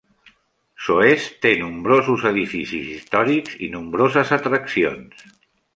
Soest té nombrosos edificis històrics i nombroses atraccions.